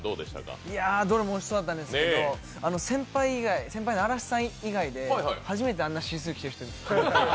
どれもおいしそうだったんですけど、先輩の嵐さん以外で初めてあんなのシースルー着てる人、見ました。